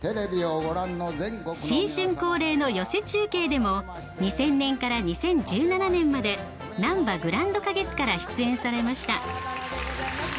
新春恒例の寄席中継でも２０００年から２０１７年までなんばグランド花月から出演されました。